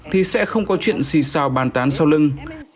thì sẽ không có chuyện xì xào bàn tán sau lưng